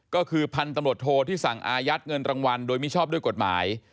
ก็คือพันธุ์ตำรวจโทที่สั่งอายัดเงินรางวัลโดยมิชอบด้วยกฎหมาย